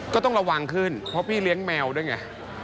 ก็ต้องระวังขึ้นเพราะพี่เลี้ยงแมวด้วยไง